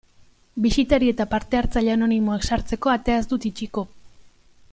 Bisitari eta parte hartzaile anonimoak sartzeko atea ez dut itxiko.